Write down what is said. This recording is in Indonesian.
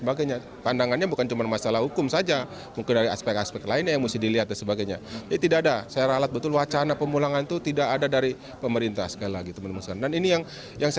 bapak komjen paul soehardi alius